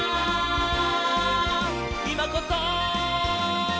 「いまこそ！」